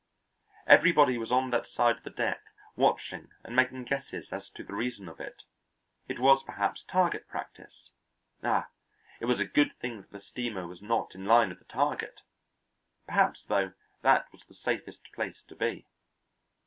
Everybody was on that side of the deck watching and making guesses as to the reason of it. It was perhaps target practice. Ah, it was a good thing that the steamer was not in line with the target. Perhaps, though, that was the safest place to be.